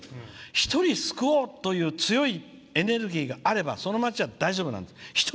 １人、救おう！という強いエネルギーがあればその町は大丈夫なんです。